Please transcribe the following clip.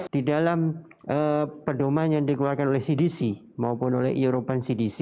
di dalam pedoman yang dikeluarkan oleh cdc maupun oleh europan cdc